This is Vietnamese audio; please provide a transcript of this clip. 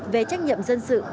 về trách nhiệm dân sự